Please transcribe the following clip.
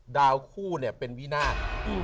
ดาวคู่เนี่ยเป็นวินาท